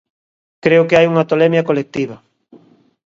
Creo que hai unha tolemia colectiva.